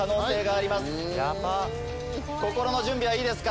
心の準備はいいですか？